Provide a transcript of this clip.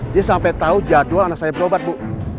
dia sampai tahu jadwal anak saya berobat bu